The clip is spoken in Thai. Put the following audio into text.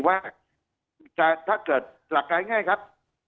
ว่าถ้าเกิดหลักการง่ายครับ